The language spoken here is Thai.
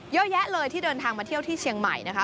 เยอะแยะเลยที่เดินทางมาเที่ยวที่เชียงใหม่นะคะ